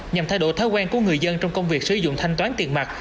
nhằm thay đổi thói quen của người dân trong công việc sử dụng thanh toán tiền mặt